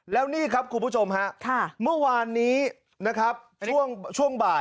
แล้วนี่ครับคุณผู้ชมฮะค่ะ